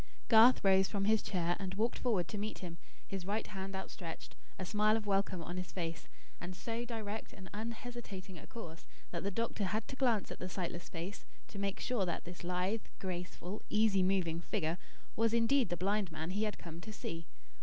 Garth rose from his chair and walked forward to meet him, his right hand outstretched, a smile of welcome on his face, and so direct and unhesitating a course that the doctor had to glance at the sightless face to make sure that this lithe, graceful, easy moving figure was indeed the blind man he had come to see.